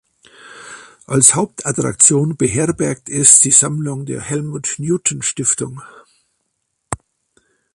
Als Hauptattraktion beherbergt es die Sammlung der "Helmut-Newton-Stiftung".